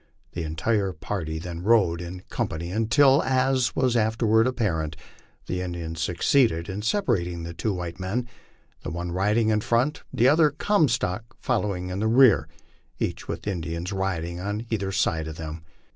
The entire party then rode in company until, as was afterward apparent, the Indians succeeded in separating the two whito men, the one riding in front, the other, Comstock, following in rear, each with Indians riding on either side of them.